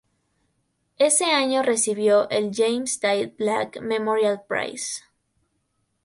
Ese año recibió el "James Tait Black Memorial Prize".